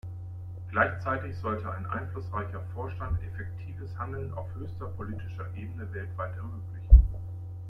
Gleichzeitig sollte ein einflussreicher Vorstand effektives Handeln auf höchster politischer Ebene weltweit ermöglichen.